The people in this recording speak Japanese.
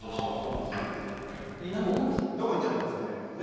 どこに行っちゃったんでしょう。